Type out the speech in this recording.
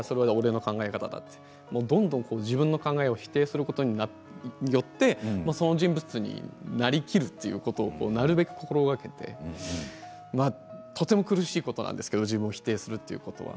自分の考えをどんどん否定することによってその人物になりきるということをなるべく心がけてとても苦しいことなんですけど自分を否定するということは。